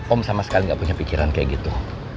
om sama sekali gak punya pikiran kayak gitu